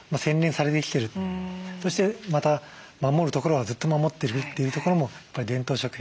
そしてまた守るところはずっと守ってるというところも伝統食品